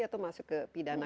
atau masuk ke pidana